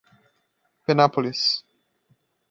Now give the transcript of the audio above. Penápolis